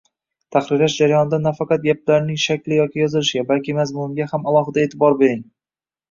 Tahrirlash jarayonida nafaqat gaplarning shakli yoki yozilishiga, balki mazmunga ham alohida e’tibor bering